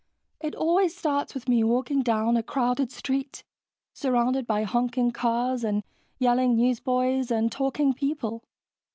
It always starts with me walking down a crowded street, surrounded by honking cars and yelling newsboys and talking people.